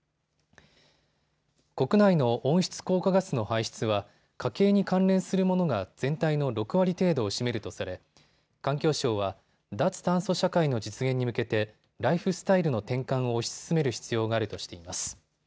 国内の温室効果ガスの排出は家計に関連するものが全体の６割程度を占めるとされ、環境省は脱炭素社会の実現に向けてライフスタイルの転換を推し進める必要があるとしています。